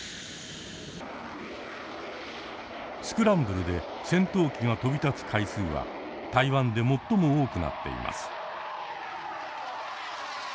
スクランブルで戦闘機が飛び立つ回数は台湾で最も多くなっています。